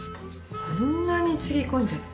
そんなにつぎ込んじゃって。